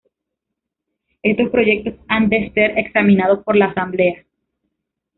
Estos proyectos han de ser examinados por la Asamblea.